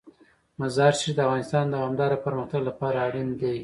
مزارشریف د افغانستان د دوامداره پرمختګ لپاره اړین دي.